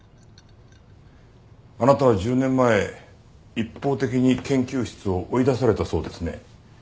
あなたは１０年前一方的に研究室を追い出されたそうですね。